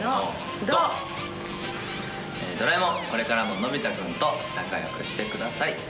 これからものび太くんと仲良くしてください。